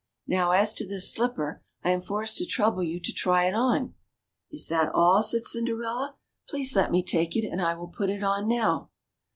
Now as to this slipper, I am forced to trouble you to try it on." Is that all?" said Cinder ella. Please let me take it and I will put it on now."